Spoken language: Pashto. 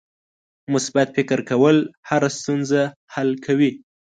مثبت فکر کول هره ستونزه حل کوي.